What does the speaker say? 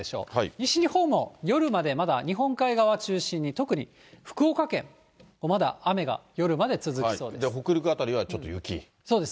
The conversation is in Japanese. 西日本も夜までまだ日本海側を中心に特に福岡県、まだ雨が夜まで続きそうです。